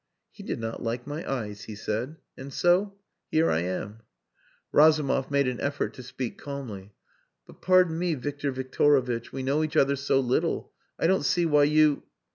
"He did not like my eyes," he said. "And so...here I am." Razumov made an effort to speak calmly. "But pardon me, Victor Victorovitch. We know each other so little.... I don't see why you...."